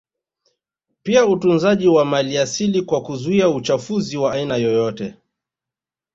Pia utunzaji wa maliasili kwa kuzuia uchafuzi wa aina yoyote